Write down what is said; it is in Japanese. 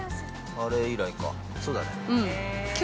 ◆あれ以来か。